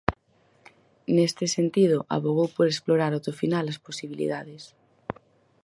Neste sentido, avogou por explorar até o final as posibilidades.